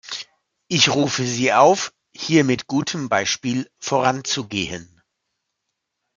Ich rufe Sie auf, hier mit gutem Beispiel voranzugehen.